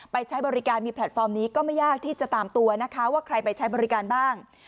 ใช้บริการมีแพลตฟอร์มนี้ก็ไม่ยากที่จะตามตัวนะคะว่าใครไปใช้บริการบ้าง